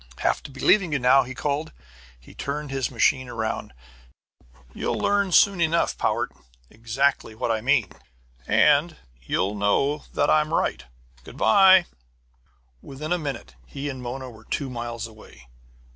"Have to be leaving you now," he called. He turned his machine around. "You'll learn soon enough, Powart, exactly what I mean. And you'll know that I'm right. Good by!" Within a minute he and Mona were two miles away.